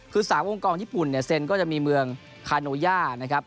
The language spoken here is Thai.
คือ๓องค์กรญี่ปุ่นเนี่ยเซ็นก็จะมีเมืองคาโนย่านะครับ